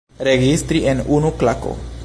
Registri en unu klako.